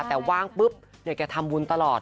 แต่ว่างปุ๊บเดี๋ยวแกทำบุญตลอด